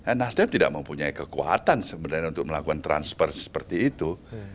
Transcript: nah nasdem tidak mempunyai kekuatan sebenarnya untuk melakukan transfer seperti itu